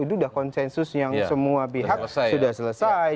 itu sudah konsensus yang semua pihak sudah selesai